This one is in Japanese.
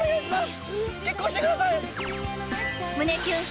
結婚してください！